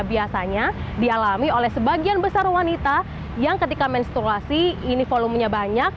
biasanya dialami oleh sebagian besar wanita yang ketika menstruasi ini volumenya banyak